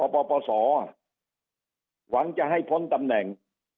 ปปศหวังจะให้พ้นตำแหน่ง